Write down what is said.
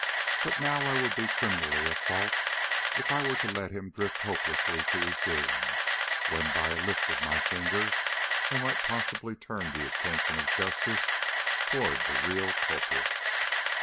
But now I would be criminally at fault if I were to let him drift hopelessly to his doom, when by a lift of my finger I might possibly turn the attention of justice toward the real culprit."